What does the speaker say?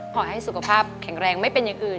ขอให้สุขภาพแข็งแรงไม่เป็นอย่างอื่น